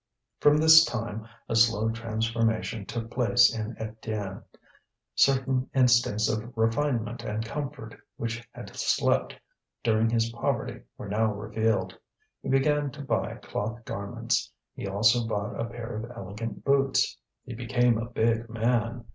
From this time a slow transformation took place in Étienne. Certain instincts of refinement and comfort which had slept during his poverty were now revealed. He began to buy cloth garments; he also bought a pair of elegant boots; he became a big man.